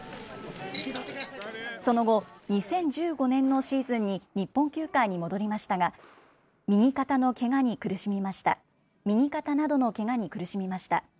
その後、２０１５年のシーズンに日本球界に戻りましたが、右肩などのけがに苦しみました。